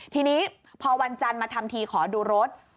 ทีนี้พอวันจันทร์มาทำทีขอดูรถ